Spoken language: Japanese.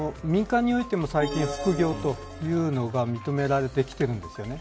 民間においても最近、副業というのが認められてきています。